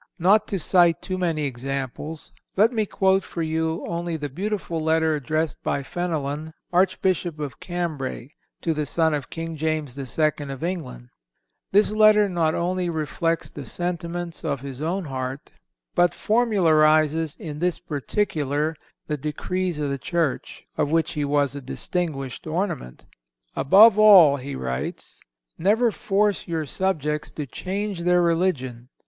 Not to cite too many examples, let me quote for you only the beautiful letter addressed by Fenelon, Archbishop of Cambray, to the son of King James II. of England. This letter not only reflects the sentiments of his own heart, but formularizes in this particular the decrees of the Church, of which he was a distinguished ornament. "Above all," he writes, "never force your subjects to change their religion.